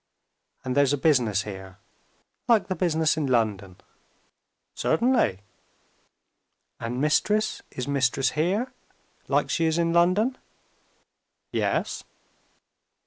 "And there's a business here, like the business in London?" "Certainly." "And Mistress is Mistress here, like she is in London?" "Yes."